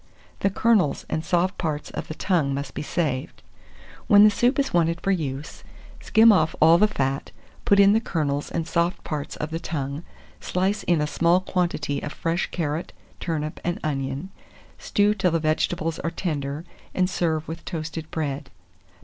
The kernels and soft parts of the tongue must be saved. When the soup is wanted for use, skim off all the fat, put in the kernels and soft parts of the tongue, slice in a small quantity of fresh carrot, turnip, and onion; stew till the vegetables are tender, and serve with toasted bread.